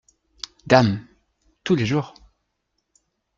Dame !… tous les jours.